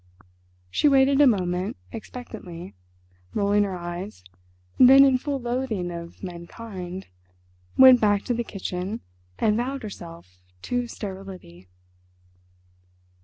She waited a moment, expectantly, rolling her eyes, then in full loathing of menkind went back to the kitchen and vowed herself to sterility.